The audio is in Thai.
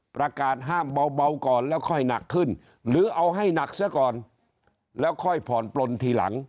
ประกาศห้ามเบาก่อนแล้วค่อยหนักขึ้นหรือเอาให้หนักเสียก่อนแล้วค่อยผ่อนปลนทีหลัง